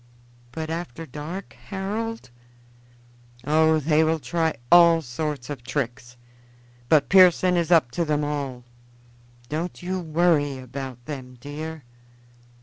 "But after dark, Harold?" "Oh, they will try all sorts of tricks; but Pearson is up to them all. Don't you worry about them, dear."